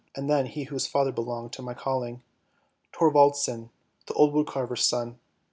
And then he whose father belonged to my calling; Thorwaldsen the old woodcarver's son.